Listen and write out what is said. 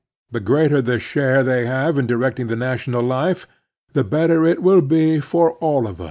The greater the share they have in directing the national life, the better it will be for all of us.